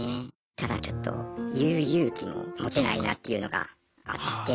ただちょっと言う勇気も持てないなっていうのがあって。